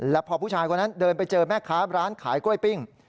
แล้วพอผู้ชายคนนั้นเดินไปเจอแม่ค้าร้านขายกล้วยปิ้ง